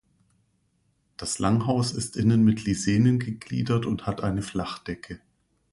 Das Langhaus ist innen mit Lisenen gegliedert und hat eine Flachdecke.